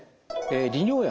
利尿薬。